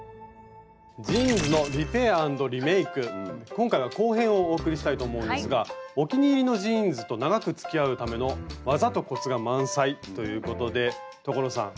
今回は後編をお送りしたいと思うんですがお気に入りのジーンズと長くつきあうための技とコツが満載ということで所さん